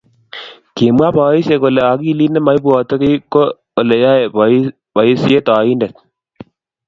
Kimwa boisiek kole agilit nemaibwatekiy ko Ole yoe boisiet oindet